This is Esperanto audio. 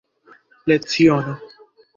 leciono